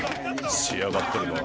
「仕上がってるなあ」